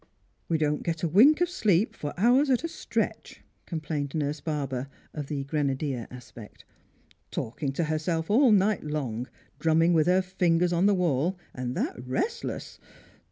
" "We don't get wink of sleep for hours at a stretch," com plained nurse Barber, of the grenadier aspect. "Talking to herself all night long, drumming with her fingers on the wall, and that restless